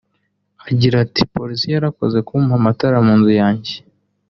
Agira ati “Polisi yarakoze kumpa amatara mu nzu yanjye